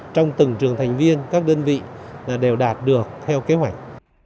trong từng trường thành viên các đơn vị đều đạt được theo kế hoạch